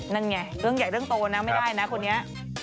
นั่นไงเรื่องใหญ่เรื่องโตนะไม่ได้นะคนนี้